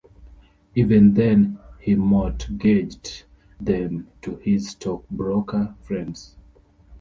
Even then, he mortgaged them to his stockbroker friends.